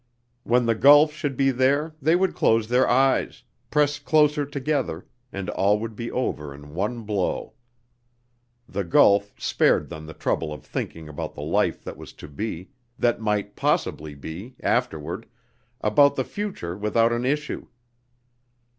When the gulf should be there they would close their eyes, press closer together and all would be over in one blow. The gulf spared them the trouble of thinking about the life that was to be, that might possibly be, afterward, about the future without an issue.